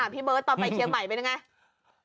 พี่เบิร์ตตอนไปเชียงใหม่เป็นยังไง